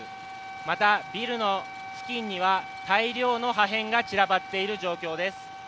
またビルの付近には大量の破片が散らばっている状況です。